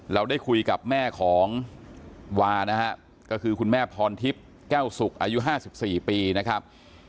เราได้คุยกับแม่ของวานะฮะก็คือคุณแม่พรทิพย์แก้วสุกอายุ๕๔ปีนะครับ